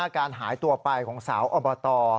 การหายตัวไปของสาวอบต